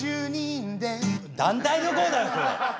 団体旅行だよそれ！